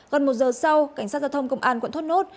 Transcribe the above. gần một giờ sau cảnh sát giao thông công an quận thốt nốt